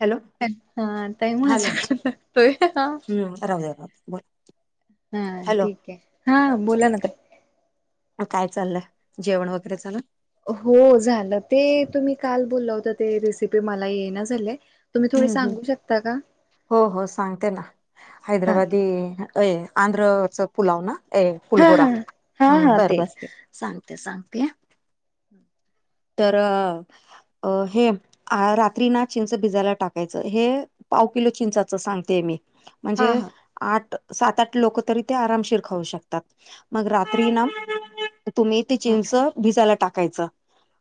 Hello हा लागतोय ह. राहूदे राहूदे बोल. हा हॅलो ठीक आहे हा बोला ना ताई. काय चाललंय जेवण वगैरे चालू हो झालं ते तुम्ही काल बोललं होता ते रेसिपी मला ये ना झाले. हम् ह हो हो सांगते ना हा हैदराबादी ठीक अ आंध्रच पुलाव ना ए हा फुलगोरा हा हा हा बर बर. तेच तेच सांगते सांगते. तर अ हे. आ रात्री ना चिंच भिजायला टाकायचं हे पाव किलो चिंचाच सांगतेय मी. हा म्हणजे. हा आठ सात आठ लोक तरी ते आरामशीर खाऊ शकतात मग रात्री ना तुम्ही ते हा चिंच भिजायला टाकायचं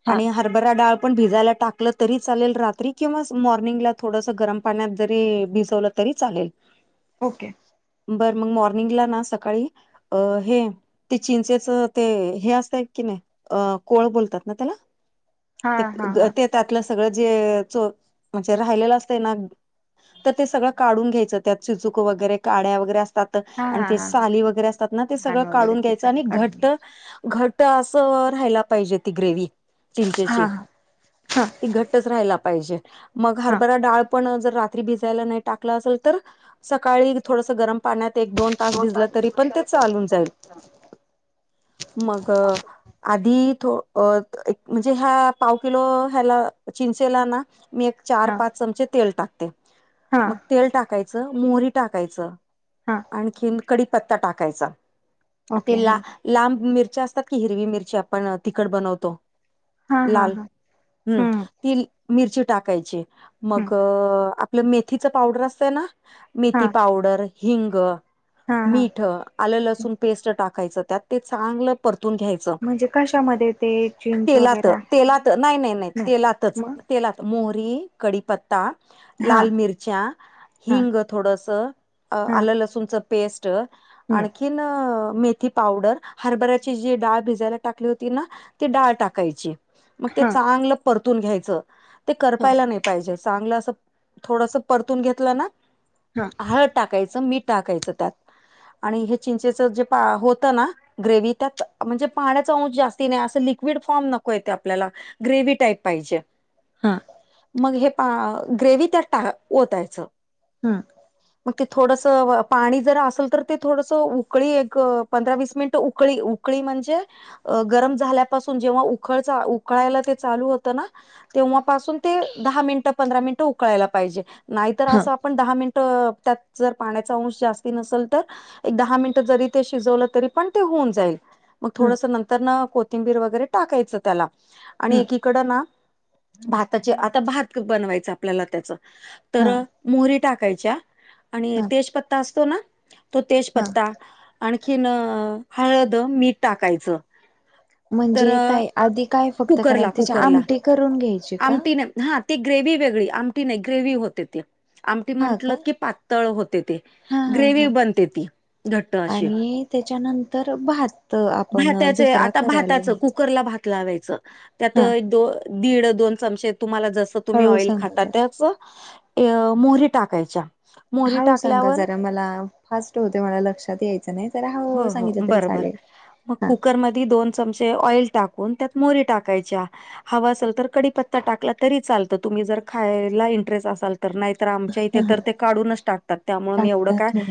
हा आणि हरभरा डाळ पण भिजायला टाक लं तरी चालेल रात्री किंवा मॉर्निंगला थोडस गरम पाण्यात जरी भिजवलं तरी चालेल. ओके. बर मग मॉर्निंगला ना सकाळी अ हे ते चिंचेच ते हे असतं की नाही अ कोळ बोलतात ना त्याला? हा ते हा हा ते त्यातलं सगळं जे चो म्हणजे राहिलेलं असतं ना तर ते सगळं काढून घ्यायचं त्यात चिचुक वगैरे काड्या वगैरे असतात. हा आणि हा ते हा हा साली वगैरे असतात ना ते घाण सगळं वगैरे काढून ते घ्यायचं सगळं आणि काढून घट्ट घ्यायचे घट्ट अस राहायला पाहिजे ती ग्रेव्ही हा चिंचेची. हा हा ती घट्टच राहायला पाहिजे मग हा हरभरा डाळ पण जर तरी भिजायला नाही टाकल असेल तर सकाळी थोडसं गरम पाण्यात एक दोन तास भिजला तरी पण ते चालून जाईल. मग आधी थो अ एक म्हणजे ह्या पाव किलो ह्याला चिंचेला ना मी एक चार हा पाच चमचे तेल टाकते हा मग तेल टाकायचं मोहरी टाकायचं. हा आणखीन कडीपत्ता टाकायचा ओके हा तला लांब मिरच्या असतात की हिरवी मिरची आपण तिकट बनवतो. हा हा लाल हा हम्म. ती मिरची टाकायची हम्म मग आपलं मेथीच पावडर असतंय ना. हा मेथी पावडर, हिंग, हा हा मीठ. आलं लसूण पेस्ट टाकायचं त्यात ते चांगलं परतून घ्यायचं. म्हणजे कशामध्ये ते. जीन्स तेलात वगैरे आहे तेलात नाही नाही नाही तेलातच तेलात मोहरी, कडीपत्ता ता हा लाल मिरच्या, हा हिंग थोडस, हा आलं लसूणचं पेस्ट ट हम्म आणखी इन मेथी पावडर हरभऱ्याची जी डाळ भिजायला टाकली होती ना ती कैची मग ते हा चांगलं परतून घ्यायच ते हा करपायला नाही पाहिजे चांगलं अस थोडस परतून घेतलं ना हा. हळंद टाकायचं मीठ टाकायचं त्यांत आणि हे चिंचेचं जे पां होतं नां ग्रेव त्यांत म्हणजे पाण्यांचा अंश जास्ती नाहीं असं लिक्विड फॉर्म नको येते आपल्यांला ग्रेव टाईप पाहिजे हां मंग हे पा ग्रेव तरं टां होतांयचं हंम मंग ते थोडंस पाणी जरं असेल तरं ते थोडंसं उकळी एक पंधरा वीस मिनिटं उकळी उकळी म्हणजे गरमं झाल्यांपासून जेंव्हा उकळ उकळायला ते चालूं होतं नां तेव्हांपासून ते दहा मिनिटं पंधरा मिनिटं उकळांयला पाहिजे नाहीतरं हा असं आपणं दहा मिनिटं त्यांत जरं पाण्यांचा अंश जास्ती नसेल तरं एक दहा मिनिटं जरी ते शिजवलं तरी पणं ते होऊन जाईल मंग हम्म थोडंसं नंतर नां कोथिंबीर वगैरें टाकायचं त्यांला आणि हम्म एकीकड नां भाताचे आंता भातं बनवायचं आपल्यांला त्यांचं हा तरं मोहरी टाकायच्यां आणि हा तेजपत्ता असतो नां तो हा तेजपत्ता आंणखीन हळंद मीठ टाकायचं तर म्हणजे अ, कायं आधी कायं फक्तं कुकरला करायचं त्यांची कुकरला आमटी करूंन घ्यायची का आमटी नाही हां ती ग्रेव वेगळी आमटी नाहीं ग्रेवही होते ती ते आमटी हा का म्हंटल की पांतळ होते ते हा हा हा ग्रेव्ही बनते ती घंट्ट अशी आणि त्याच्यानंतर भात आपण भातांचे दुसरा आंता करायला भातांच घ्यायचा कुकरला भांत त्यांत लावायचं हा त्यांतं दीड दोन चचेम तुम्हांला जसं तुम्हीं हळू ऑईल सांगा खांता जरा त्यांचं मोहरी टाकांयच्या हाळूं सांगा जरां मलां फांस्ट होते मलां लक्षांत यायचं नाही जरां हळूं सांगितलं तरी चालेल हा कुकर मध्ये दोन चमचे ऑइल टाकूंन त्यांत मोरी टाकांयच्या हवां असेल तरं कडीपत्ता टाकलां तरी चालतं तुम्हीं जरं खांयला इंटरेस्ट असालं तरं नाहीं तरं आमच्या इथे हा हा तरं ते काढून चं टाकतांत त्यांमुळे मी एवढं कायं टाकतात हो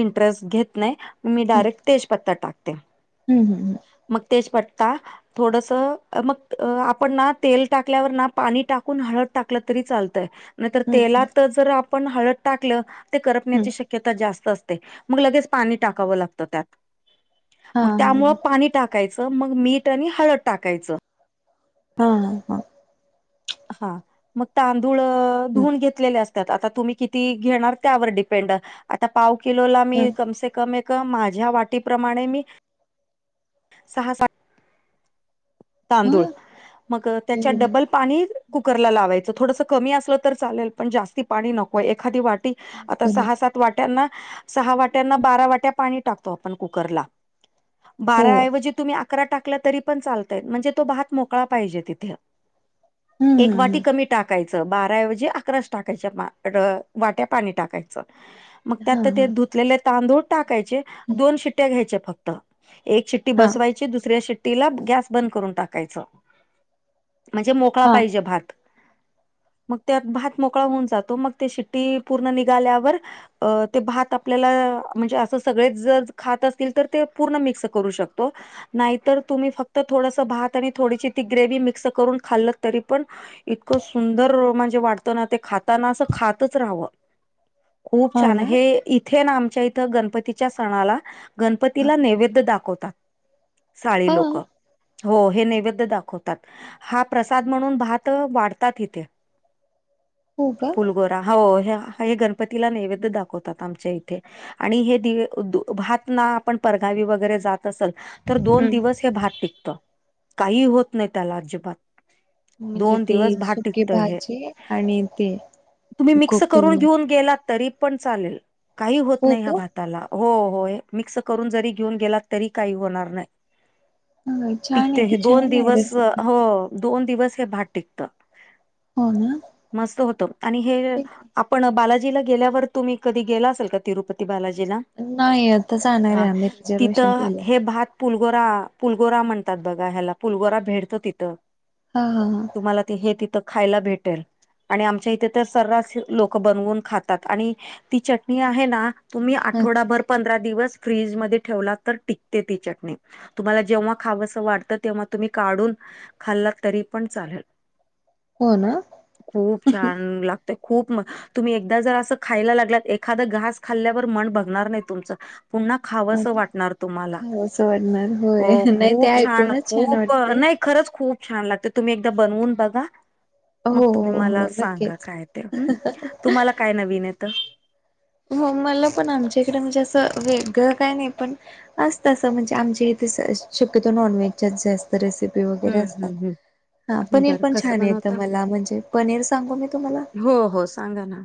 इंटरेस्ट घेतं नाहीं मी डायरेक्ट तेजपत्तां टाकते हम्मं हमं हम्मं मंग तेजपट्टता थोडंसं मंग आपणं नां तेल टाकल्यांवर नां पाणी टाकूंन हळंद टाकलं तरी चालतंय नंतर हम्म तेला तरं जरं आपणं हळंद टाकलं ते हम्म करपण्यांची शक्यतां जास्तं असते मंग लगेच पाणी टाकावं लागतं त्यांत हा मंग हा त्यांमुळे पाणी टाकावं टाकायचं मंग मीठ आणि हळंद टाकायचं हां हां हां हां मंग तांदूळ हम्म धुवूनन घेतलेले असतं आंता तुम्हीं किती घेणारं त्यांवर डिपेंड, आंता पाव किलोला मी हा कमसेकम कमसेकम माझ्यां वाटी प्रमाणे मी सहा सांत वाटी हा तांदूळ मंग त्यांच्या एवढं डबल पाणी कुकरला लावायचं, थोडंसं कमी असलं तरी चालेल पणं जास्तं पाणी नको ए, एखादी वाटी जास्त आंता सहा नको सात वाट्यांना, सहा वाट्यांना बारा वाट्या पाणी टाकतो आपणं कुकरलां हो बारा ऐवजी तुम्हीं अकरा टांकल्यां तरी पणं चालतंय म्हणजे तो भातं मोकळा पाहिजे तिथे, हम्म एक वाटी हम्म कमीत टाकायचं बाराऐवजी अकराच टांकायच्या वाट्यां पाणी टाकायचं मंग हा त्यांत ते धुंतलेले तांदूळ टाकायचे हा दोन शिट्ट्या घ्यांयचे फक्तं एक शिट्टी हा बसवांयची आणु दुसऱ्या शिट्टीला गॅस बंद करूंन टाकायचं म्हणजे मोकळा हा पाहिजे भात. मग त्यात भात मोकळा होऊन जातो मग ते शिट्टी पूर्ण निघाल्यावर ते भात आपल्याला म्हणजे असं सगळेच जर खात असतील तर ते पूर्ण मिक्स करू शकतो. नाही तर तुम्ही फक्त थोडस भात आणि थोडीशी ती ग्रेवी मिक्स करून खाल्ल तरी पण इतकं सुंदर म्हणजे वाटतं ना ते खाताना असं खातच राहावं. खूप हा छान, ना हे इथे ना आमच्या इथं गणपतीच्या सणाला हा गणपतीला नैवेद्य दाखवतात, साळी हा लोक हो हो हे नैवेद्य दाखवतात, हा प्रसाद म्हणून भात वाढतात इथे हो का? गोरा, हो हे गणपतीला नैवेद्य दाखवतात आमच्या इथे आणि हे दिवे, भात ना आपण परगावी वगैरे जात असेल तर दोन हं दिवस हे भात टिकत, काही होत नाही त्याला अजिबात. म्हणजे दोन ती दिवस भात सुकीे टिकत हे भाजी आणि ते तुम्ही मिक्स कोकम करून घेऊन गेला तरी पण चालेल, काही होत हो नाही ह्या भात का भाताला, हो मिक्स करून जरी घेऊन गेला तरी काही होणार नाय. ह छान टिकते, आहे हे की दोन छान आहे दिवस रेसिपी हो दोन दिवस हे भात टिकत, हो ना मस्त होत, आणि हे ठीक आहे पण बालाजीला गेल्यावर तुम्ही कधी गेला असेल का तिरुपती बालाजीला? नाही आताच जाणार हा, आहे आम्ही रिझर्वेशन तिथं केलं हे भात पुलगोरा, पुलगोरा म्हणतात बघा ह्याला पुलगोरा भेटतं तिथं. हा, हा, हा, तुम्हाला ते हे तिथं खायला भेटेल. आणि आमच्या इथे तर सर्रास लोक बनवून खातात. आणि ती चटणी आहे ना तुम्ही हा आठवडाभर पंधरा दिवस फ्रीजमध्ये ठेवला तर टिकते ती चटणी. तुम्हाला जेव्हा खावस वाटतं तेव्हा तुम्ही काढून खाल्ला तरी पण चालेल, हो ना खूप छान लाग ते खूप मस्त तुम्ही एकदा जर असं खायला लागलात, एखाद घास खाल्ल्यावर मन बघणार नाही तुमचं, पुन्हा खावंसं वाटणार तुम्हाला. असं वाटणार हो होय नाही ते खूप ऐकूनच छान खूप अ, वाटते. नाही खरंच खूप छान लागतं, तुम्ही एकदा बनवून बघा मग हो तुम्ही हो मला हो सांगा नक्कीच काय ते, ह तुम्हाला काय नवीन येत? हो मला पण आमच्याकडे म्हणजे असं वेगळं काय नाही पण असत असं म्हणजे आमच्या इथे शक्यतो नॉनव्हेज जास्त रेसिपी वगैरे हम्म असतात. हम्म हा, हम्म पनीर बरं पण कसं छान येतं बनवता? मला म्हणजे, पनीर सांगू मी तुम्हाला? हो हो सांगा ना.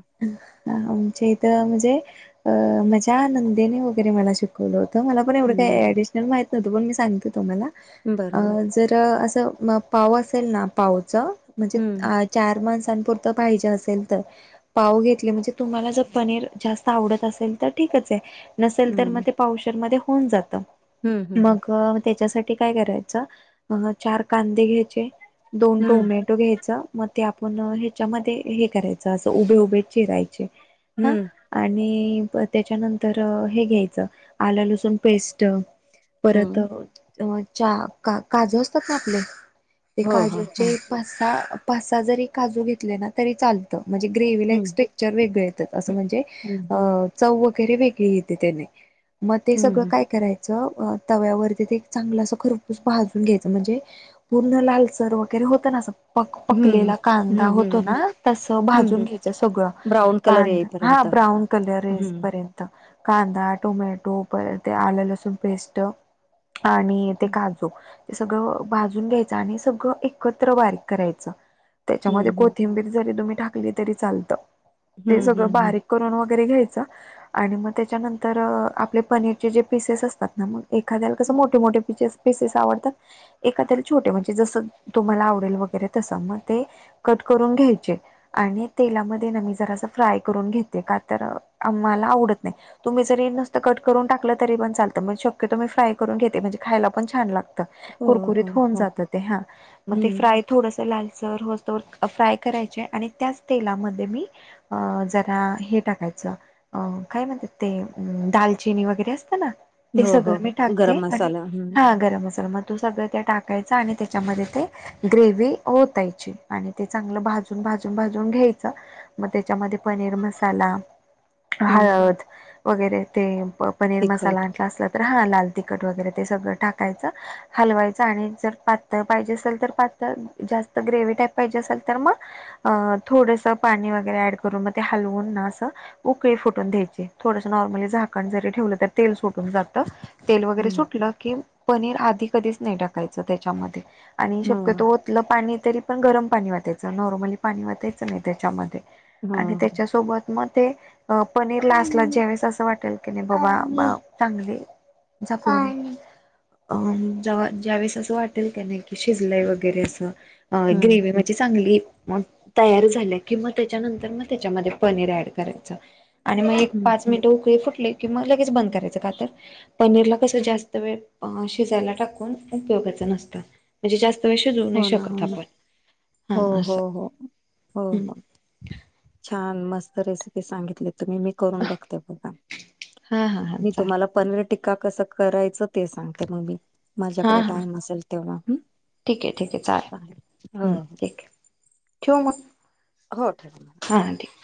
आमच्या इथ म्हणजे अ माझ्या नंदेने वगैरे मला शिक बोल होत मला पण एवढं हं, काही बरं ऍडिशनल माहित नव्हतं पण मी सांगते तुम्हाला बरोबर जर असं पाव असेल ना पावचं म्हणजे हम्म आ चार माणसांपुरतं पाहिजे असेल तर, पाऊ घेतले म्हणजे तुम्हाला जर पनीर जास्त आवडत असेल तर ठीकच आहे, नसेल तर हम्म मग ते पावशरमध्येध्ये होऊन जात. हम्म हम्म. मग त्याच्यासाठी काय करायचं चार कांदे घ्या दोन हम्म टोमॅटो घ्यायचा. मग ते आपण ह्याच्यामध्ये हे करायचं असं उभे उभे चिरायचे. हा हम्म. आणि त्याच्यानंतर हे घ्यायचं आलं लसूण पेस्ट परत हम्म. अ च्या का काजू असता टाकले ते हो हो हो. काजूचे पाच सहा पाच सहा जरी काजू घेतले ना तरी चालतं म्हणजे ग्रेव्हीला एक हम्म स्टेक्चर वेगळ येतं. असं म्हणजे, अ हम्म चव वगैरे वेगळी येते त्याने मग ते हम्म सगळं हम्म. काय कराय च तव्यावरती ते चांगलं अस खरपूस भाजून घ्यायचं म्हणजे पूर्ण लालसर वगैरे होत ना अस? पक हम्म हम्म पकलेला कांदा हम्म होतो हम्म. ना तस हं, भाजून हं. घ्यायचं सगळं ब्राऊन कलर कांदा हा येईपर्यंत. ब्राऊन कलर हेस हं. पर्यंत कांदा टोमॅटो परत ते आलं लसूण पेस्ट आणि ते काजू ते सगळं भाजून घ्यायचं आणि सगळं एकत्र बारीक करायचं. त्याच्यामध्ये हं, हं. कोथिंबीर जरी तुम्ही टाकली तरी चालतं. ते हम्म सगळं हम्म हम्. बारीक करून वगैरे घ्यायच. आणि मग त्याच्यानंतर आपले पनीरचे जे पिसेस असतात ना मग एखाद्याला कसं मोठ मोठ पिचेस पिसेस आवडतात एखाद छोटे म्हणजे जस तुम्हाला आवडेल वगैरे तस मग ते कट करून घ्यायचे आणि तेलामध्ये न मी जरास फ्राय करून घेते का तर आ मला आवडत नाही. तुम्ही जरी नसतं कट करून टाकलं तरीपण चालतं. म शक्यतो मी फ्राय करून घेते म्हणजे खायला पण छान लाग त हो, कुरकुरीत हो, होऊन हो. जात ते हा. म ते हं. फ्राय थोडस लालसर होऊस तवर फ्राय करायचे आणि त्याच तेलामध्ये मी अ जरा हे टाकायचं. अं काय म्हणतात ते अम दालचिनी वगैरे असतं ना? ते हो, हो. सगळं मी गरम टाकते आणि मसाला. हं, हा गरम मसालाम तू सगळं त्या टाकायचा आणि त्याच्यामध्ये ते ग्रेव्ही ओतायची आणि ते चांगलं भाजून भाजून भाजून घ्यायचं. त्येच्यामध्ये पनीर मसाला, हं. हळद वगैरे ते प पनीर मसाला तिखट. अ जास असला तर हा लाल तिखट वगैरे ते सगळं टाकायचं. हलवायच आणि जर पातळ पाहिजे असेल तर पातळ जास्त ग्रेव्ही टाईप पाहिजे असेल तर मग अ थोडस पाणी व वगैरे ॲड करून मग ते हलवून ना असं उकळी फुटून घ्यायची थोडस नॉर्मली झाकण जरी ठेवलं तर तेल सुटून जात. तेल वगैरे हं. सुटलं की पनीर आधी कधीच नाही टाकायचं त्याच्यामध्ये आणि हो, शक्यतो तलं पाणी तरी पण गरम पाणी वतायचं नॉर्मली पाणी वतायचं नाही त्याच्यामध्ये. हो. आणि त्याच्यासोबत मग ते अ पनीरला असला ज्यावेळेस असं वाटेल की बाबा आ चांगली झाकुन अं ज ज्यावेळेस असं वाटेल का नाही की शिजलंय वगैरे असं अ हं, ग्रेव्ही म्हणजी चांगली तयार झाल्या कि म त्या च्यानंतर म त्येच्या मध्ये पनीर ॲड करायचं आणि म एक हं. पाच नीट उकळी फुटल कि लगेच बंद करायचं. का तर? पनीरला कसं जास्त वेळ अ शिजायला टाकून उपयोगाच नसतं. म्हणजे जास्त वेळ शिजवू नाही हो ना, शकत हो ना. आपण हो, हा हो, असं हो. हो, ह् हो. छान मस्त रेसिपी सांगितली तुम्ही, मी करून बघते बघा. हां हां हां मी चालेल तुम्हाला पनीर टीक्का कसं करायचं ते सांगते मग मी. माझ्याकडे टाइम असेल तेव्हा हूं. ठीकये ठीकये चाल. हूं ठीकये. ठेऊ मग? हो ठेवा मग. हा ठेव.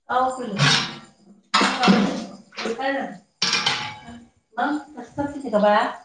[inaudible] [inaudible] बाळा.